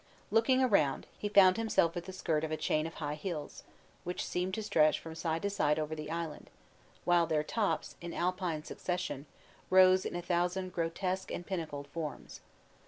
Looking around, he found himself at the skirt of a chain of high hills, which seemed to stretch from side to side over the island, while their tops, in alpine succession, rose in a thousand grotesque and pinnacled forms.